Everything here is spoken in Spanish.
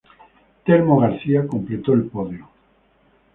Telmo García completó el podio.